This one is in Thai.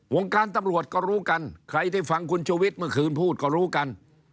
การตำรวจก็รู้กันใครที่ฟังคุณชุวิตเมื่อคืนพูดก็รู้กัน